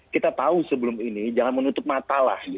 kita tahu sebelum ini jangan menutup mata lah